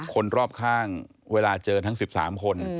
คนรอบข้างเวลาเจอทั้ง๑๓คน